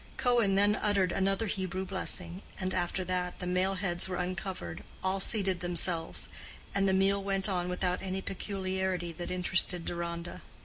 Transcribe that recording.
Cohen then uttered another Hebrew blessing, and after that, the male heads were uncovered, all seated themselves, and the meal went on without any peculiarity that interested Deronda.